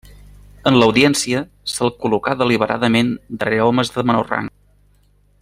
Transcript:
En l'audiència, se'l col·locà deliberadament darrere homes de menor rang.